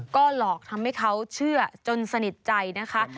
ก็หลอกทำให้เขาเชื่อจนสนิทใจนะคะ